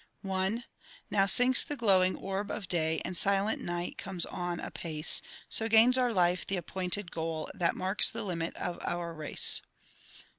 I Now sinks the glowing orb of day, And silent night comes on apace; So gains our life the appointed goal, That marks the limit of our race.